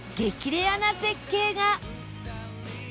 レアな絶景が